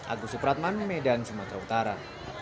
agus supratman medan sumatera utara